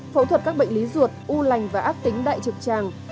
phẫu thuật các bệnh lý ruột u lành và ác tính đại trực tràng